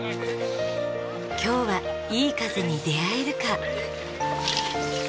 今日はいい風に出会えるか？